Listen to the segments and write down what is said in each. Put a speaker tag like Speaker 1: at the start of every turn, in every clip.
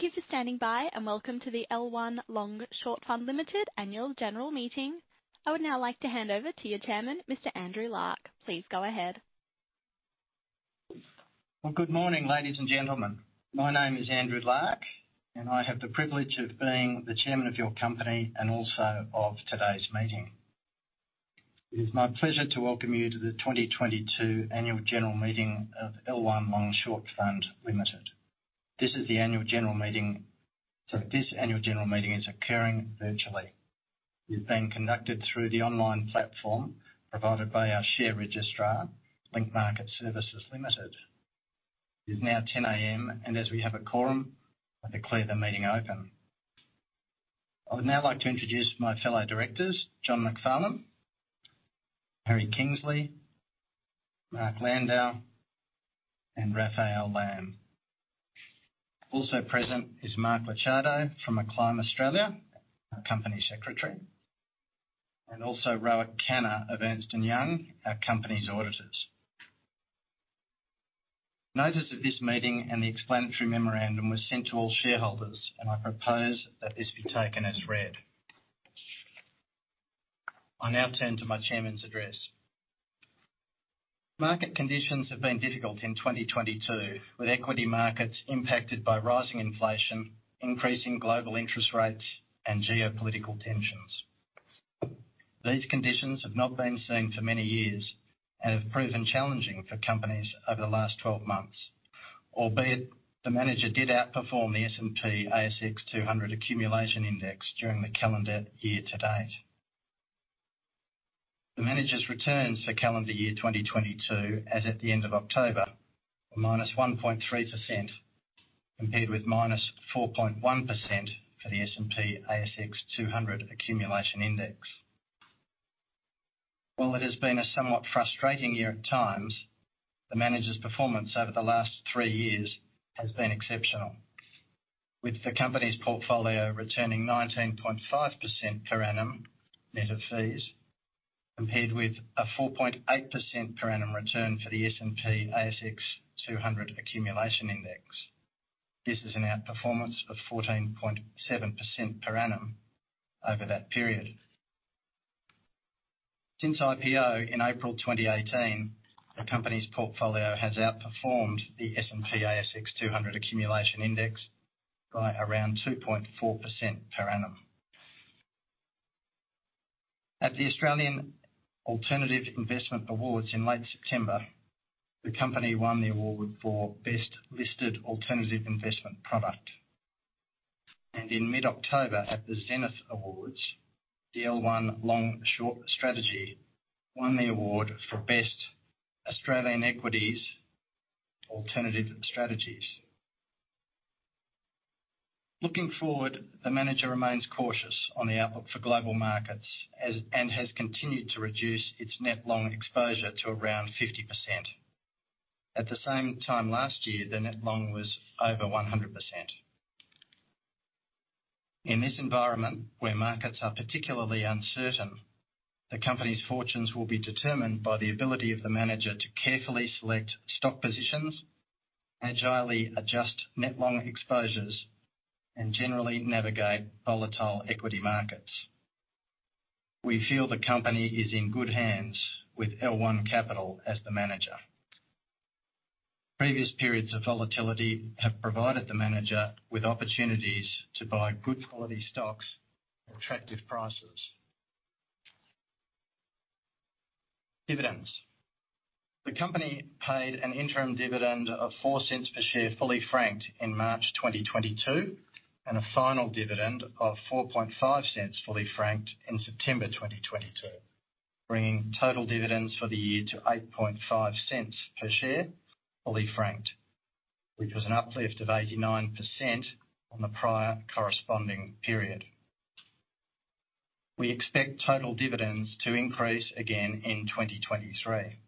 Speaker 1: Thank you for standing by, and welcome to the L1 Long Short Fund Limited annual general meeting. I would now like to hand over to your chairman, Mr. Andrew Larke. Please go ahead.
Speaker 2: Well, good morning, ladies and gentlemen. My name is Andrew Larke, and I have the privilege of being the chairman of your company and also of today's meeting. It is my pleasure to welcome you to the 2022 annual general meeting of L1 Long Short Fund Limited. This annual general meeting is occurring virtually. It is being conducted through the online platform provided by our share registrar, Link Market Services Limited. It is now 10:00 A.M., and as we have a quorum, I declare the meeting open. I would now like to introduce my fellow directors, John Macfarlane, Harry Kingsley, Mark Landau, and Raphael Lamm. Also present is Mark Licciardo from Acclime Australia, our company secretary, and also Rohit Khanna of Ernst & Young, our company's auditors. Notice of this meeting and the explanatory memorandum was sent to all shareholders, and I propose that this be taken as read. I now turn to my chairman's address. Market conditions have been difficult in 2022, with equity markets impacted by rising inflation, increasing global interest rates, and geopolitical tensions. These conditions have not been seen for many years and have proven challenging for companies over the last 12 months. Albeit the manager did outperform the S&P/ASX 200 Accumulation Index during the calendar year to date. The manager's returns for calendar year 2022, as at the end of October, were -1.3% compared with -4.1% for the S&P/ASX 200 Accumulation Index. While it has been a somewhat frustrating year at times, the manager's performance over the last three years has been exceptional, with the company's portfolio returning 19.5% per annum net of fees, compared with a 4.8% per annum return for the S&P/ASX 200 Accumulation Index. This is an outperformance of 14.7% per annum over that period. Since IPO in April 2018, the company's portfolio has outperformed the S&P/ASX 200 Accumulation Index by around 2.4% per annum. At the Australian Alternative Investment Awards in late September, the company won the award for Best Listed Alternative Investment Product. In mid-October, at the Zenith Awards, the L1 Long Short strategy won the award for Best Australian Equities Alternative Strategies. Looking forward, the manager remains cautious on the outlook for global markets and has continued to reduce its net long exposure to around 50%. At the same time last year, the net long was over 100%. In this environment where markets are particularly uncertain, the company's fortunes will be determined by the ability of the manager to carefully select stock positions, agilely adjust net long exposures, and generally navigate volatile equity markets. We feel the company is in good hands with L1 Capital as the manager. Previous periods of volatility have provided the manager with opportunities to buy good quality stocks at attractive prices. Dividends. The company paid an interim dividend of 0.04 per share, fully franked, in March 2022, and a final dividend of 0.045, fully franked, in September 2022, bringing total dividends for the year to 0.085 per share, fully franked, which was an uplift of 89% on the prior corresponding period. We expect total dividends to increase again in 2023.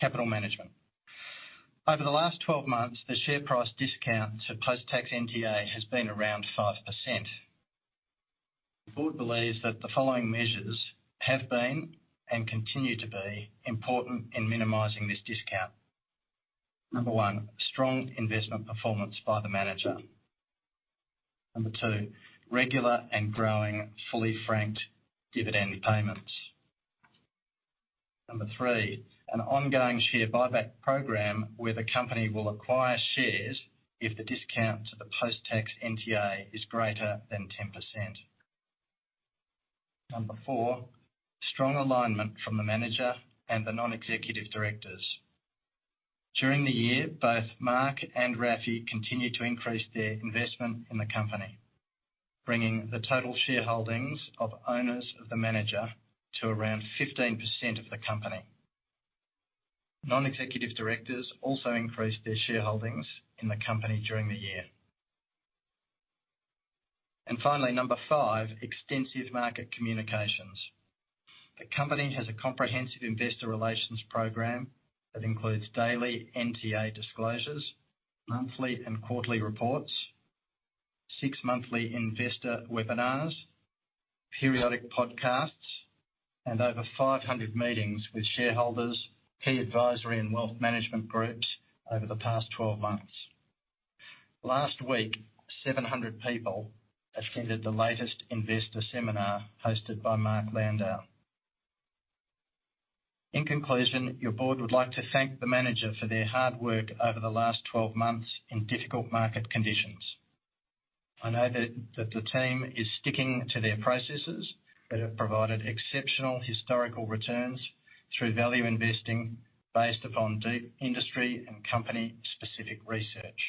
Speaker 2: Capital management. Over the last 12 months, the share price discount to post-tax NTA has been around 5%. The board believes that the following measures have been and continue to be important in minimizing this discount. Number one, strong investment performance by the manager. Number two, regular and growing fully franked dividend payments. Number three, an ongoing share buyback program where the company will acquire shares if the discount to the post-tax NTA is greater than 10%. Number four, strong alignment from the manager and the non-executive directors. During the year, both Mark and Rafi continued to increase their investment in the company, bringing the total shareholdings of owners of the manager to around 15% of the company. Non-executive directors also increased their shareholdings in the company during the year. Finally, number five, extensive market communications. The company has a comprehensive investor relations program that includes daily NTA disclosures, monthly and quarterly reports, six-monthly investor webinars, periodic podcasts, and over 500 meetings with shareholders, key advisory and wealth management groups over the past 12 months. Last week, 700 people attended the latest investor seminar hosted by Mark Landau. In conclusion, your board would like to thank the manager for their hard work over the last 12 months in difficult market conditions. I know that the team is sticking to their processes that have provided exceptional historical returns through value investing based upon deep industry and company-specific research.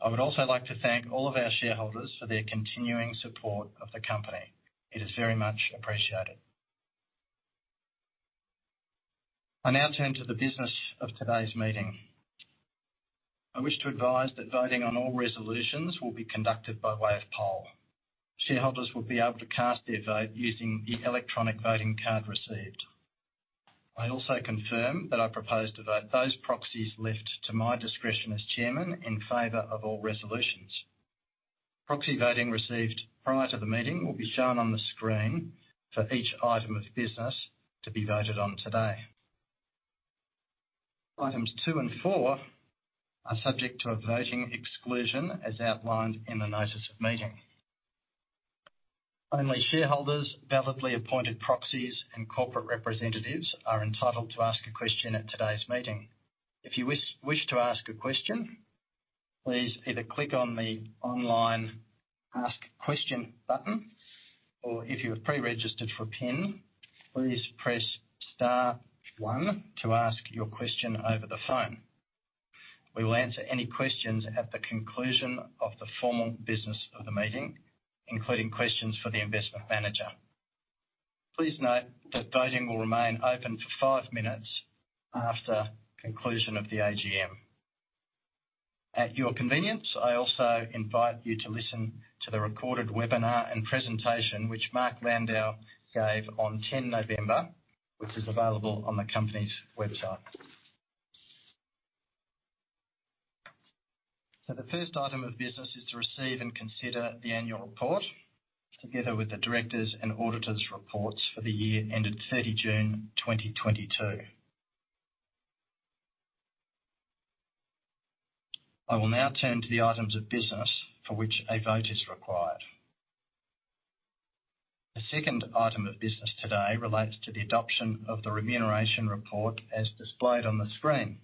Speaker 2: I would also like to thank all of our shareholders for their continuing support of the company. It is very much appreciated. I now turn to the business of today's meeting. I wish to advise that voting on all resolutions will be conducted by way of poll. Shareholders will be able to cast their vote using the electronic voting card received. I also confirm that I propose to vote those proxies left to my discretion as chairman in favor of all resolutions. Proxy voting received prior to the meeting will be shown on the screen for each item of business to be voted on today. Items two and four are subject to a voting exclusion as outlined in the notice of meeting. Only shareholders, validly appointed proxies, and corporate representatives are entitled to ask a question at today's meeting. If you wish to ask a question, please either click on the online Ask question button, or if you have pre-registered for PIN, please press Star one to ask your question over the phone. We will answer any questions at the conclusion of the formal business of the meeting, including questions for the investment manager. Please note that voting will remain open for five minutes after conclusion of the AGM. At your convenience, I also invite you to listen to the recorded webinar and presentation which Mark Landau gave on 10 November, which is available on the company's website. The first item of business is to receive and consider the annual report together with the directors' and auditors' reports for the year ended 30 June 2022. I will now turn to the items of business for which a vote is required. The second item of business today relates to the adoption of the remuneration report as displayed on the screen.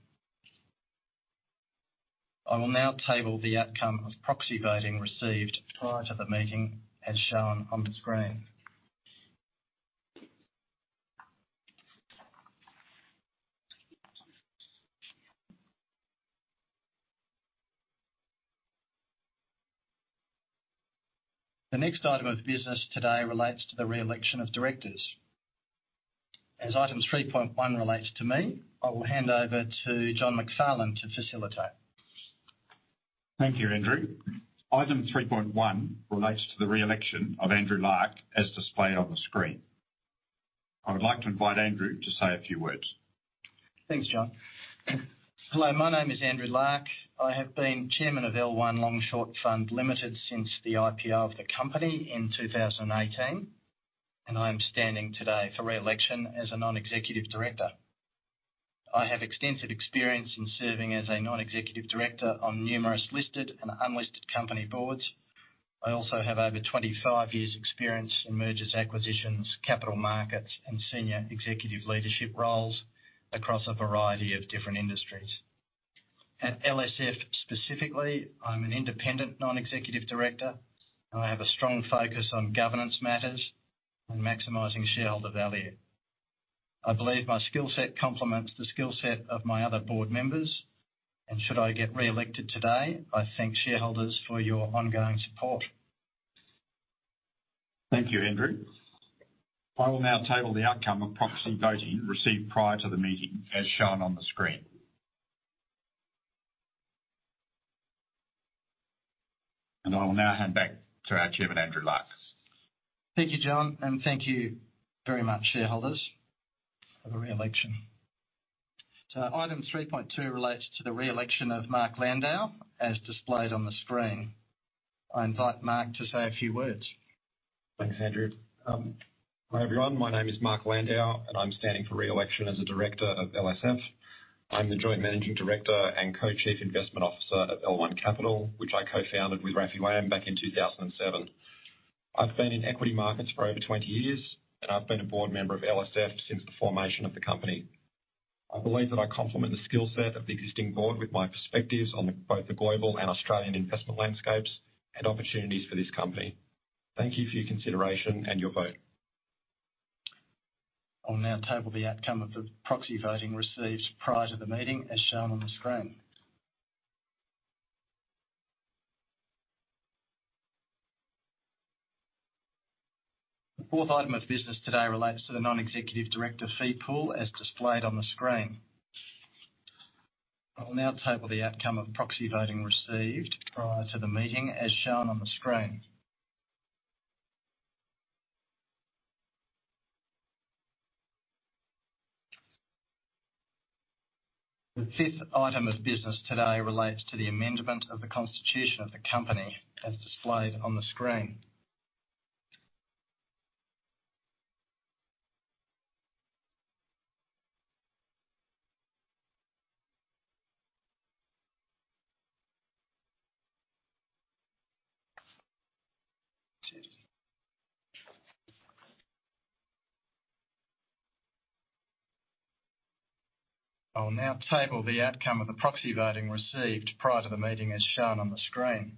Speaker 2: I will now table the outcome of proxy voting received prior to the meeting as shown on the screen. The next item of business today relates to the re-election of directors. As item 3.1 Relates to me, I will hand over to John McFarlane to facilitate.
Speaker 3: Thank you, Andrew. Item three point one relates to the re-election of Andrew Larke, as displayed on the screen. I would like to invite Andrew to say a few words.
Speaker 2: Thanks, John. Hello, my name is Andrew Larke. I have been Chairman of L1 Long Short Fund Limited since the IPO of the company in 2018, and I am standing today for re-election as a non-executive director. I have extensive experience in serving as a non-executive director on numerous listed and unlisted company boards. I also have over 25 years' experience in mergers, acquisitions, capital markets, and senior executive leadership roles across a variety of different industries. At LSF specifically, I'm an independent non-executive director, and I have a strong focus on governance matters and maximizing shareholder value. I believe my skill set complements the skill set of my other board members, and should I get re-elected today, I thank shareholders for your ongoing support.
Speaker 3: Thank you, Andrew. I will now table the outcome of proxy voting received prior to the meeting, as shown on the screen. I will now hand back to our Chairman, Andrew Larke.
Speaker 2: Thank you, John, and thank you very much, shareholders, for the re-election. Item 3.2 relates to the re-election of Mark Landau, as displayed on the screen. I invite Mark to say a few words.
Speaker 4: Thanks, Andrew. Hi, everyone. My name is Mark Landau, and I'm standing for re-election as a director of LSF. I'm the joint managing director and co-chief investment officer at L1 Capital, which I co-founded with Raphael Lamm back in 2007. I've been in equity markets for over 20 years, and I've been a board member of LSF since the formation of the company. I believe that I complement the skill set of the existing board with my perspectives on both the global and Australian investment landscapes and opportunities for this company. Thank you for your consideration and your vote.
Speaker 2: I'll now table the outcome of the proxy voting received prior to the meeting, as shown on the screen. The fourth item of business today relates to the non-executive director fee pool, as displayed on the screen. I will now table the outcome of proxy voting received prior to the meeting, as shown on the screen. The fifth item of business today relates to the amendment of the constitution of the company, as displayed on the screen. I'll now table the outcome of the proxy voting received prior to the meeting as shown on the screen.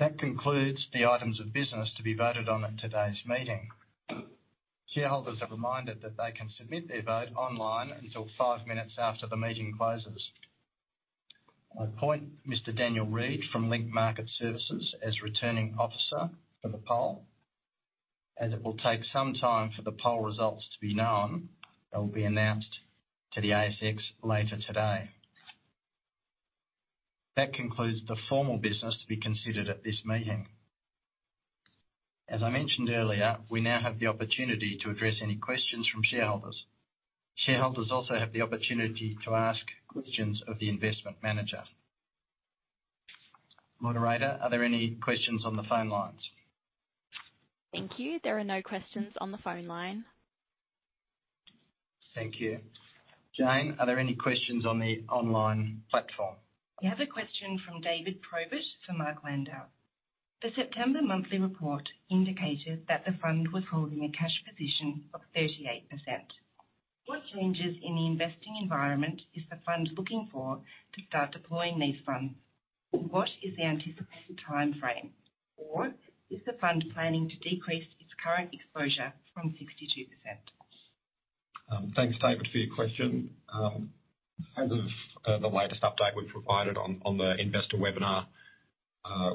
Speaker 2: That concludes the items of business to be voted on at today's meeting. Shareholders are reminded that they can submit their vote online until five minutes after the meeting closes. I appoint Mr. Daniel Reed from Link Market Services as Returning Officer for the poll. As it will take some time for the poll results to be known, they'll be announced to the ASX later today. That concludes the formal business to be considered at this meeting. As I mentioned earlier, we now have the opportunity to address any questions from shareholders. Shareholders also have the opportunity to ask questions of the investment manager. Moderator, are there any questions on the phone lines?
Speaker 1: Thank you. There are no questions on the phone line.
Speaker 2: Thank you. Jane, are there any questions on the online platform?
Speaker 5: We have a question from David Probert for Mark Landau. The September monthly report indicated that the fund was holding a cash position of 38%. What changes in the investing environment is the fund looking for to start deploying these funds? What is the anticipated timeframe, or is the fund planning to decrease its current exposure from 62%?
Speaker 4: Thanks, David, for your question. As of the latest update we provided on the investor webinar,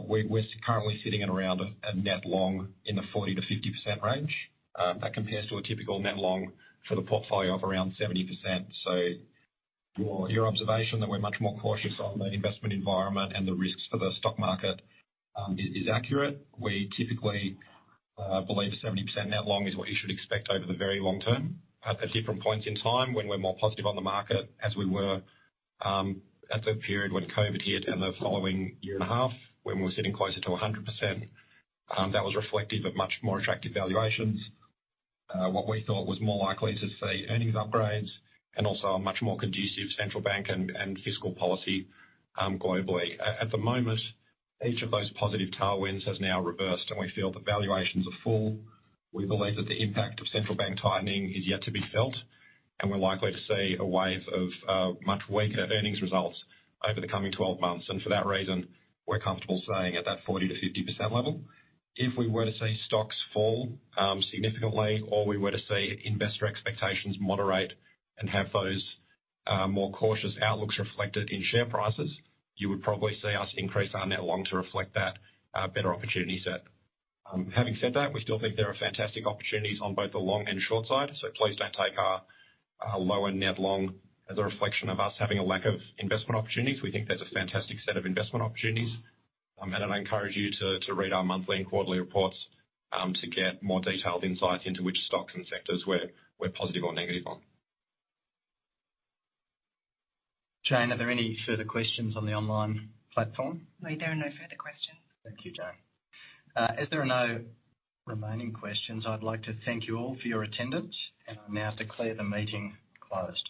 Speaker 4: we're currently sitting at around a net long in the 40%-50% range. That compares to a typical net long for the portfolio of around 70%. Your observation that we're much more cautious on the investment environment and the risks for the stock market is accurate. We typically believe 70% net long is what you should expect over the very long term. At different points in time when we're more positive on the market as we were at the period when COVID hit and the following year and a half, when we're sitting closer to 100%, that was reflective of much more attractive valuations, what we thought was more likely to see earnings upgrades and also a much more conducive central bank and fiscal policy globbally. At the moment, each of those positive tailwinds has now reversed, and we feel the valuations are full. We believe that the impact of central bank tightening is yet to be felt, and we're likely to see a wave of much weaker earnings results over the coming 12 months. For that reason, we're comfortable staying at that 40%-50% level. If we were to see stocks fall, significantly, or we were to see investor expectations moderate and have those, more cautious outlooks reflected in share prices, you would probably see us increase our net long to reflect that, better opportunity set. Having said that, we still think there are fantastic opportunities on both the long and short side, so please don't take our lower net long as a reflection of us having a lack of investment opportunities. We think there's a fantastic set of investment opportunities, and I'd encourage you to read our monthly and quarterly reports, to get more detailed insight into which stocks and sectors we're positive or negative on.
Speaker 2: Jane, are there any further questions on the online platform?
Speaker 5: No, there are no further questions.
Speaker 2: Thank you, Jane. As there are no remaining questions, I'd like to thank you all for your attendance, and I now declare the meeting closed.